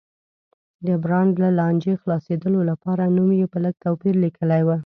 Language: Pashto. د برانډ له لانجې خلاصېدو لپاره نوم یې په لږ توپیر لیکلی و.